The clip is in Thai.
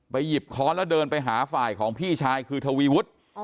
หยิบค้อนแล้วเดินไปหาฝ่ายของพี่ชายคือทวีวุฒิ